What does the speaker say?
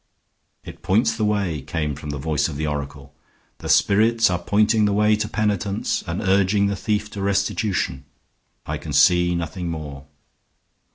"It points the way," came the voice of the oracle. "The spirits are pointing the way to penitence, and urging the thief to restitution. I can see nothing more."